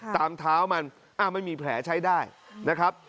ตามเท้ามันไม่มีแผลใช้ได้นะครับ